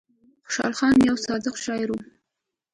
خوشال خان يو صادق شاعر وو ـ